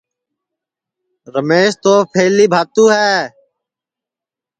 رمیش تو پَھلی بھاتو ہے